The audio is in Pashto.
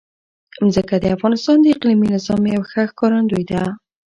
ځمکه د افغانستان د اقلیمي نظام یوه ښه ښکارندوی ده.